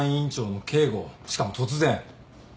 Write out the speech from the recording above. しかも突然。